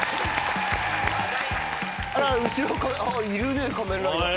あら後ろいるね仮面ライダー。